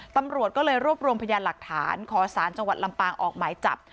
ตำรวจก็เลยรวบรวมพยานหลักฐานขอสารจังหวัดลำปางออกหมายจับ